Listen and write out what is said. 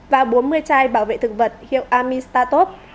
và bốn mươi chai bảo vệ thực vật hiệu amistatop